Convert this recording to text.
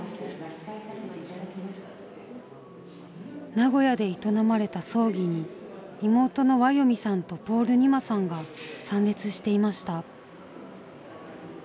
名古屋で営まれた葬儀に妹のワヨミさんとポールニマさんが参列していました。